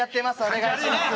お願いします。